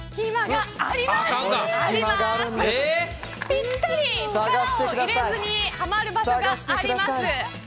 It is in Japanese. ぴったり力を入れずにはまる場所があります。